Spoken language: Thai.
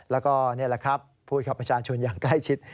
แล้วก็นี่แหละครับพูดกับประชาชนอย่างใกล้ชิด